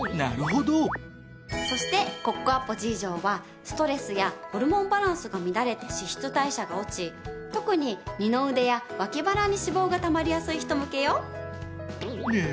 そしてコッコアポＧ錠はストレスやホルモンバランスが乱れて脂質代謝が落ち特に二の腕や脇腹に脂肪がたまりやすい人向けよ。